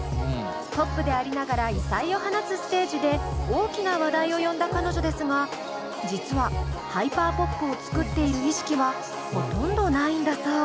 ポップでありながら異彩を放つステージで大きな話題を呼んだ彼女ですが実はハイパーポップを作っている意識はほとんどないんだそう。